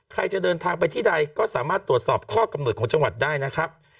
ใครจะเดินทางไปที่ใดก็สามารถตรวจสอบข้อกำหนดของจังหวัดได้นะครับ